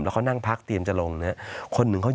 แล้วเขานั่งพักเตรียมจะลง